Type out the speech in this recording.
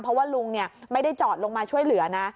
เพราะว่าลุงไม่ได้จอดลงมาช่วยเหลือนะ